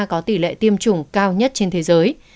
có tỷ lệ tiêm chủng cao nhất trên thế giới